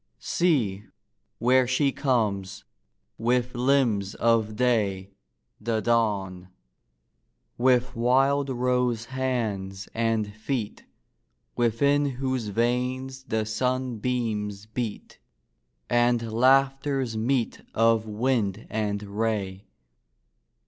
See, where she comes, with limbs of day, The Dawn! with wild rose hands and feet, Within whose veins the sunbeams beat, And laughters meet of wind and ray.